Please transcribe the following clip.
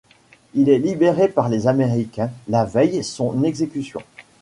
Il est libéré par les américains la veille son exécution.